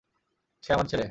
সে আমার ছেলে!